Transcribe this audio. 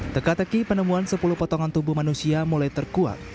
tegak tegi penemuan sepuluh potongan tubuh manusia mulai terkuat